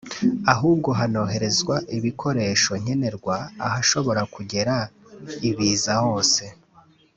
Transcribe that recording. ahubwo hanoherezwa ibikoresho nkenerwa ahashobora kugera ibiza hose